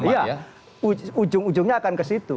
ya ujung ujungnya akan ke situ